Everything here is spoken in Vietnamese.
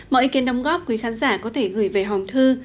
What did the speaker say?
mọi ý kiến đồng góp quý khán giả có thể gửi về hòng thư